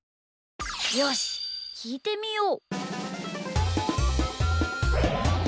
よしきいてみよう。